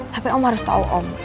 tapi om harus tahu om